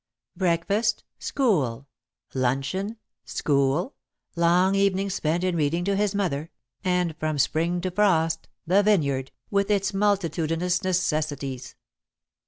Breakfast, school, luncheon, school, long evenings spent in reading to his mother, and, from Spring to frost, the vineyard, with its multitudinous necessities.